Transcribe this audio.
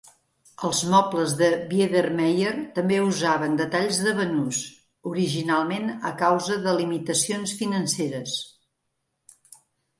Els mobles de Biedermeier també usaven detalls de banús, originalment a causa de limitacions financeres.